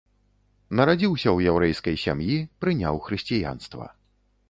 Нарадзіўся ў яўрэйскай сям'і, прыняў хрысціянства.